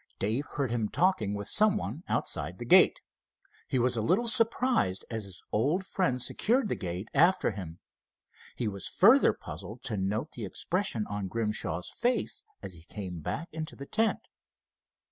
Dave heard him talking with someone outside the gate. He was a little surprised as his old friend secured the gate after him. He was further puzzled to note the expression on Grimshaw's face as he came back into the tent.